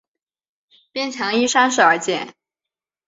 边墙依山势而建。